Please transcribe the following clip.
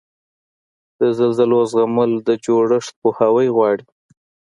د زلزلو زغمل د جوړښت پوهاوی غواړي.